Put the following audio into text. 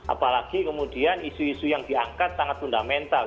apalagi kemudian isu isu yang diangkat sangat fundamental